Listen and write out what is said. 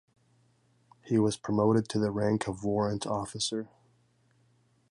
He was promoted to the rank of warrant officer.